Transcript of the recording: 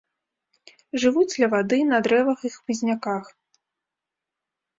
Жывуць ля вады, на дрэвах і хмызняках.